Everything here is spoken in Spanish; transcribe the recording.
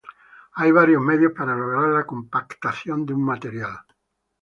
Hay varios medios para lograr la compactación de un material.